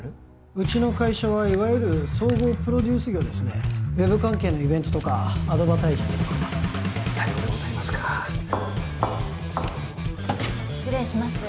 うちの会社はいわゆる総合プロデュース業ですねウェブ関係のイベントとかアドバタイジングとかさようでございますか失礼します